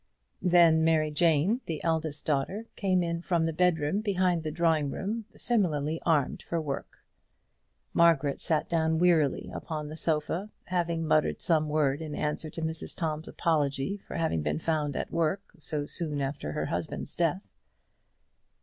Then Mary Jane, the eldest daughter, came in from the bedroom behind the drawing room, similarly armed for work. Margaret sat down wearily upon the sofa, having muttered some word in answer to Mrs Tom's apology for having been found at work so soon after her husband's death.